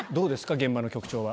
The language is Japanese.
現場の局長は。